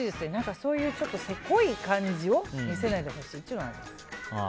そういうせこい感じを見せないでほしいですね。